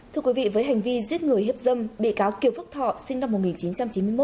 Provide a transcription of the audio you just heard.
thưa quý vị với hành vi giết người hiếp dâm bị cáo kiều phước thọ sinh năm một nghìn chín trăm chín mươi một